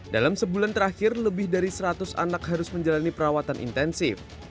dalam sebulan terakhir lebih dari seratus anak harus menjalani perawatan intensif